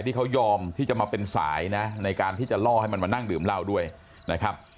ที่เขายอมที่จะมาเป็นสายนะในการที่จะล่อให้มันมานั่งดื่มเหล้าด้วยนะครับ